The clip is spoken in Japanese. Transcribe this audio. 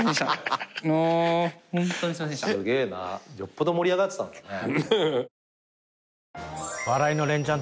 よっぽど盛り上がってたんだね。